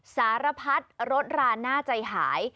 สารพัดรถราน่าใจหาย